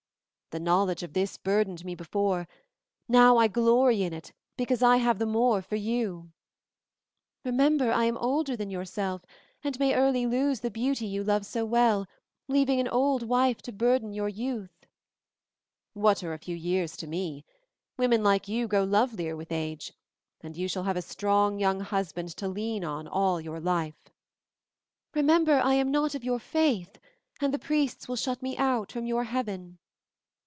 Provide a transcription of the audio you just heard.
"The knowledge of this burdened me before; now I glory in it because I have the more for you." "Remember, I am older than yourself, and may early lose the beauty you love so well, leaving an old wife to burden your youth." "What are a few years to me? Women like you grow lovelier with age, and you shall have a strong young husband to lean on all your life." "Remember, I am not of your faith, and the priests will shut me out from your heaven."